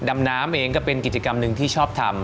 ดำน้ำเองก็เป็นกิจกรรมหนึ่งที่ชอบทำ